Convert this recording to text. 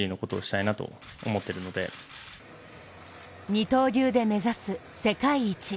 二刀流で目指す世界一。